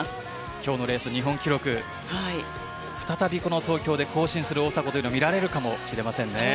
今日のレース、日本記録再び東京で更新する大迫を見られるかもしれません。